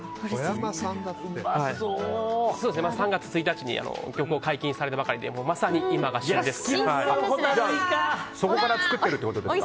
３月１日に漁港解禁されたばかりでまさに今が旬です。